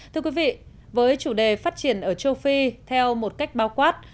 thưa quý vị với chủ đề phát triển ở châu phi theo một cách bao quát